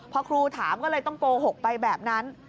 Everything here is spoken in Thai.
พอครูถามก็เลยต้องโกหกไปแบบนั้น